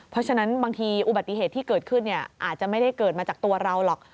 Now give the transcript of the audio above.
เพราะฉะนั้นบางทีอุบัติเหตุที่เกิดขึ้นอาจจะไม่ได้เกิดมาจากตัวเราหรอก